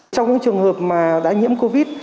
trong trường hợp đã nhiễm covid